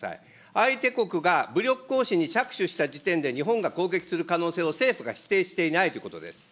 相手国が武力行使に着手した時点で、日本が攻撃する可能性を政府が指定していないということです。